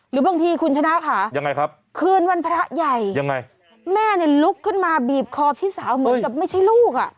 หรือบางทีคุณชนะขาคืนวันพระใหญ่แม่นี่ลุกขึ้นมาบีบคอพี่สาวเหมือนกับไม่ใช่ลูกอ่ะ